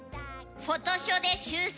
フォトショで修正。